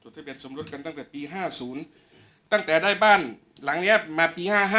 จดทะเบียนสมรถกันตั้งแต่ปีห้าศูนย์ตั้งแต่ได้บ้านหลังเนี้ยมาปีห้าห้า